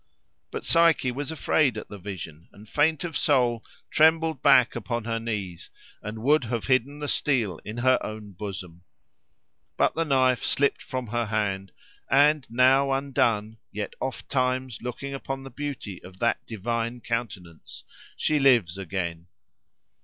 But Psyche was afraid at the vision, and, faint of soul, trembled back upon her knees, and would have hidden the steel in her own bosom. But the knife slipped from her hand; and now, undone, yet ofttimes looking upon the beauty of that divine countenance, she lives again.